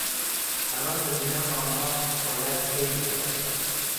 برای رسیدن به آنها باید خیلی بدوی.